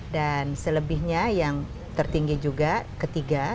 selebihnya yang tertinggi juga ketiga